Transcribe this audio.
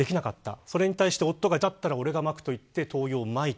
それに対して夫がだったら俺がまくと言って灯油をまいた。